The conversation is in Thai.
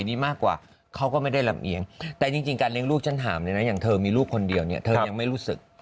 ในการเลี้ยงลูกฉันถามเลยนะอย่างเธอมีลูกคนเดียวเนี่ยเธอยังไม่รู้สึก